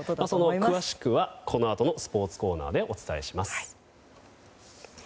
詳しくはこのあとのスポーツコーナーでお伝えします。